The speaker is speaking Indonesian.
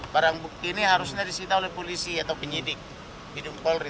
barang bukti ini harusnya disita oleh polisi atau penyidik hidung polri